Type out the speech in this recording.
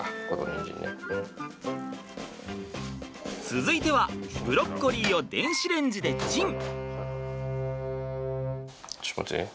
続いてはブロッコリーを電子レンジでチン。